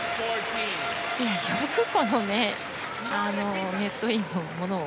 よく、ネットインのものを